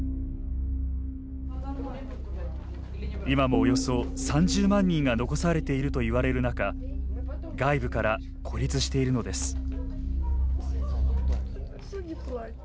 今も、およそ３０万人が残されているといわれる中外部から孤立しているのです。